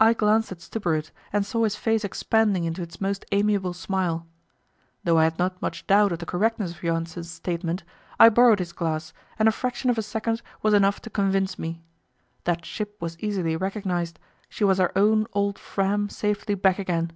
I glanced at Stubberud and saw his face expanding into its most amiable smile. Though I had not much doubt of the correctness of Johansen's statement, I borrowed his glass, and a fraction of a second was enough to convince me. That ship was easily recognized; she was our own old Fram safely back again.